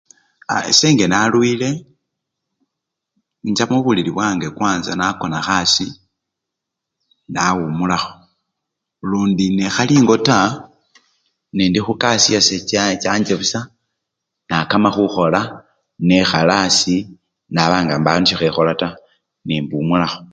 A! ese nge nalwile, incha mubulili bwange kwacha nakonakho asii nawumulakho, lundi nekhali engo taa, nendi khukasi yase cha-anjje busa nakama khukhola nekhala asii nabanga mbawo nisyo khekhola taa nembumulakho.